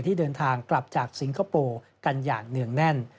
ที่เดินทางกลับจากสิงคโปร์กันอย่างเนื่องแน่น